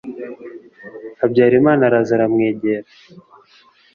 habyarimana araza aramwegera